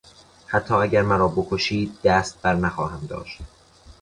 حتی اگر مرا بکشید دست بر نخواهم داشت.